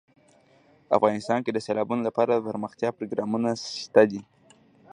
افغانستان کې د سیلابونو لپاره دپرمختیا پروګرامونه شته دي.